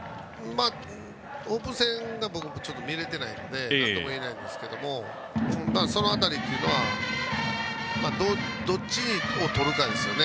オープン戦が僕、見れていないのでなんともいえないんですけれどもその辺りはどっちを取るかですよね。